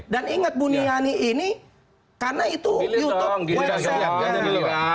dan ingat bu niani ini karena itu youtube website